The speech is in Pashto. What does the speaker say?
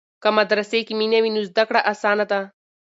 که مدرسې کې مینه وي نو زده کړه اسانه ده.